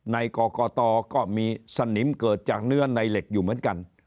ในกรกตก็มีสนิมเกิดจากเนื้อในเหล็กอยู่เหมือนกัน